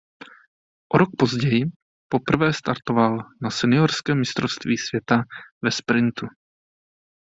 O rok později poprvé startoval na seniorském Mistrovství světa ve sprintu.